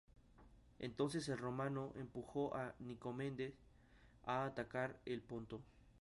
Entonces el romano empujó a Nicomedes a atacar el Ponto.